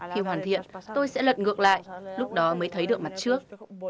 khi hoàn thiện tôi sẽ lật ngược lại lúc đó mới thấy được mặt trước